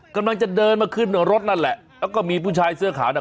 กำลังจะเดินมาขึ้นรถนั่นแหละแล้วก็มีผู้ชายเสื้อขาวน่ะ